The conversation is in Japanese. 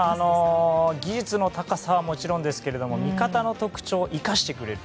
技術の高さはもちろんですけども味方の特徴を生かしてくれる。